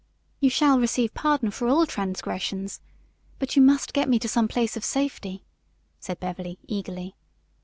"You shall receive pardon for all transgressions. But you must get me to some place of safety," said Beverly, eagerly.